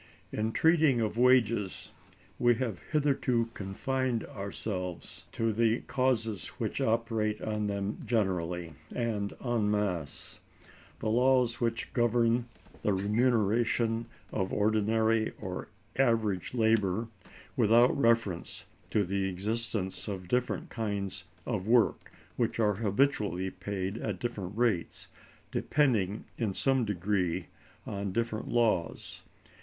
In treating of wages, we have hitherto confined ourselves to the causes which operate on them generally, and en masse; the laws which govern the remuneration of ordinary or average labor, without reference to the existence of different kinds of work which are habitually paid at different rates, depending in some degree on different laws.